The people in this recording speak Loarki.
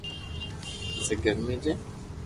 پسي گومي جي